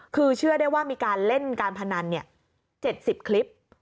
คือเชื่อได้ว่ามีการเล่นการพนัน๗๐คลิป